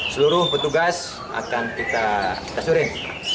seluruh petugas akan kita tes urin